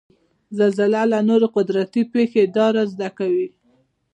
زلزله او نورې قدرتي پېښې دا رازد کوي.